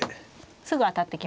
すぐ当たってきますね。